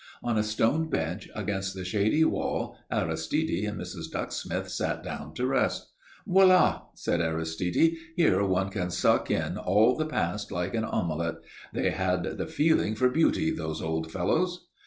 On a stone bench against the shady wall Aristide and Mrs. Ducksmith sat down to rest. "Voilà!" said Aristide. "Here one can suck in all the past like an omelette. They had the feeling for beauty, those old fellows."